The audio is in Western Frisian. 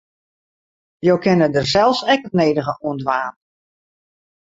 Jo kinne dêr sels ek it nedige oan dwaan.